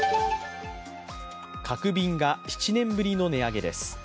角瓶が７年ぶりの値上げです。